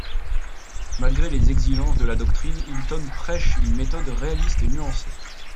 Malgré les exigences de la doctrine, Hilton prêche une méthode réaliste et nuancée.